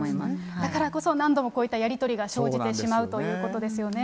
だからこそ、何度もこういったやり取りが生じてしまうということですよね。